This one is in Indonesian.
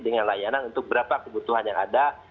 dengan layanan untuk berapa kebutuhan yang ada